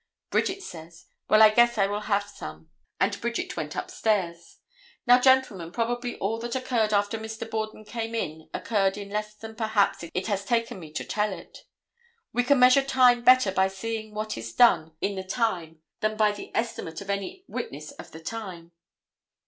Bridget says: "Well, I guess I will have some." And Bridget went upstairs. Now, gentlemen, probably all that occurred after Mr. Borden came in occurred in less time than perhaps it has taken me to tell it. We can measure time better by seeing what is done in the time than by the estimate of any witness of the time.